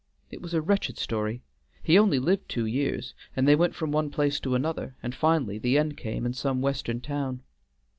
It was a wretched story; he only lived two years, and they went from one place to another, and finally the end came in some Western town.